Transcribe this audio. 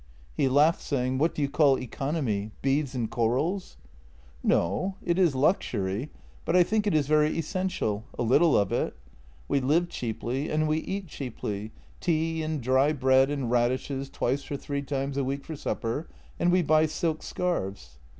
He laughed, saying :" What do you call economy — beads and corals? " "No; it is luxury, but I think it is very essential — a little of it. We live cheaply and we eat cheaply, tea and dry bread and radishes twice or three times a week for supper — and we buy silk scarves."